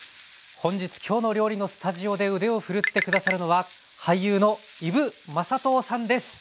本日「きょうの料理」のスタジオで腕を振るって下さるのは俳優の伊武雅刀さんです。